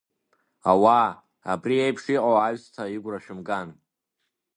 Ауаа, абри иеиԥш иҟоу аҩсҭаа игәра шәымган!